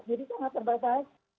jadi sangat terbatas